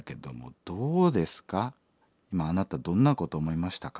今あなたどんなこと思いましたか？